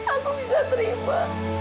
aku bisa terima